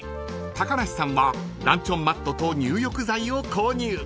［高梨さんはランチョンマットと入浴剤を購入］